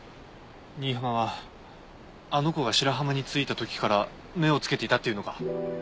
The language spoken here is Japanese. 新浜はあの子が白浜に着いた時から目を付けていたっていうのか？